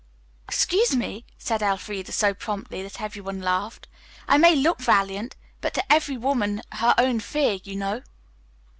"Excuse me," said Elfreda so promptly that everyone laughed. "I may look valiant, but to every woman her own fear, you know."